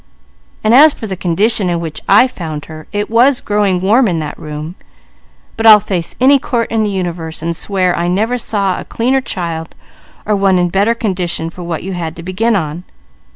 And as for the condition in which I found her, it was growing warm in that room, but I'll face any court in the universe and swear I never saw a cleaner child, or one in better condition for what you had to begin on.